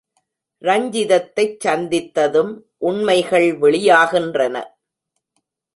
ரஞ்சிதத்தைச் சந்தித்ததும் உண்மைகள் வெளியாகின்றன.